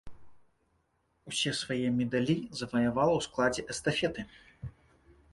Усе свае медалі заваявала ў складзе эстафеты.